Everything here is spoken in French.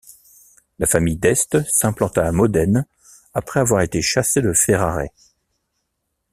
La famille d'Este s'implanta à Modène après avoir été chassée de Ferrare.